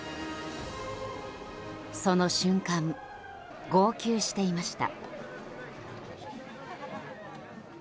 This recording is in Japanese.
その瞬間、号泣していました。